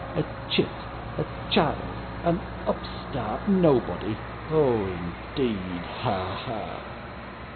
a chit, a child, an upstart nobody! Oh, indeed! Ha, ha!